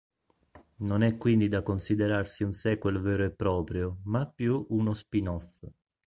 Non è quindi da considerarsi un sequel vero e proprio, ma più uno "spin-off".